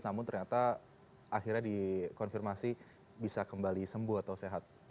namun ternyata akhirnya dikonfirmasi bisa kembali sembuh atau sehat